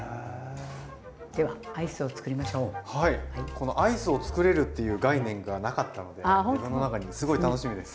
このアイスをつくれるっていう概念がなかったので自分の中にすごい楽しみです。